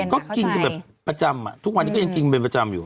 ก็กินกันแบบประจำอ่ะทุกวันนี้ก็ยังกินเป็นประจำอยู่